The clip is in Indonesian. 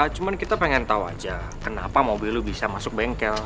cuman kita pengen tahu aja kenapa mobil lu bisa masuk bengkel